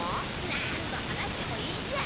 何度話してもいいじゃん。